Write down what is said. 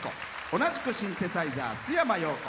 同じくシンセサイザー、須山陽子。